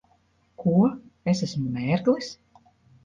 Ko? Es esmu mērglis?